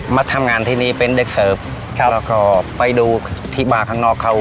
มาทำงานที่นี่เป็นเด็กเสิร์ฟครับแล้วก็ไปดูที่บ้านข้างนอกเขา